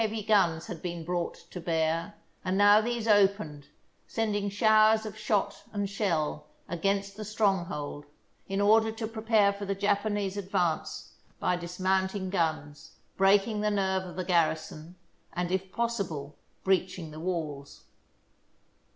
Many heavy guns had been brought to bear, and now these opened, sending showers of shot and shell against the stronghold in order to prepare for the Japanese advance by dismounting guns, breaking the nerve of the garrison, and, if possible, breaching the walls.